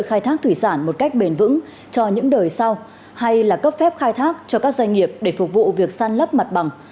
khai thác thủy sản một cách bền vững cho những đời sau hay là cấp phép khai thác cho các doanh nghiệp để phục vụ việc săn lấp mặt bằng